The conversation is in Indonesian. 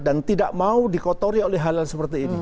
dan tidak mau dikotori oleh hal hal seperti ini